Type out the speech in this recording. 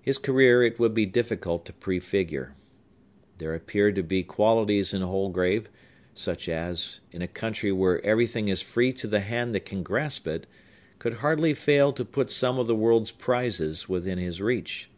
His career it would be difficult to prefigure. There appeared to be qualities in Holgrave, such as, in a country where everything is free to the hand that can grasp it, could hardly fail to put some of the world's prizes within his reach.